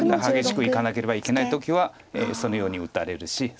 激しくいかなければいけない時はそのように打たれるし。